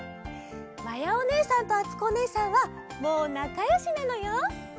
まやおねえさんとあつこおねえさんはもうなかよしなのよ。